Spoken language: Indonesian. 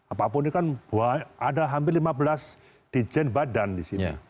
apapun ini kan ada hampir lima belas di jen badan di sini